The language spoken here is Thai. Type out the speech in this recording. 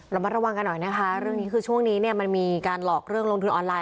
ระมัดระวังกันหน่อยนะคะเรื่องนี้คือช่วงนี้เนี่ยมันมีการหลอกเรื่องลงทุนออนไลน